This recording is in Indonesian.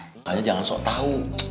makanya jangan sok tahu